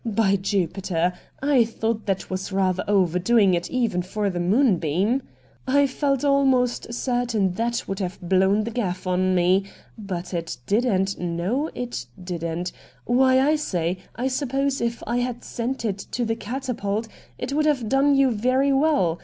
By Jupiter ! I thought that was rather overdoing it even for the "Moonbeam" — I felt almost certain that would have blown the gaff on me ; but it didn't — no, it didn't. Why, I say, I suppose if I had sent it to the " Catapult " it would have done you very well.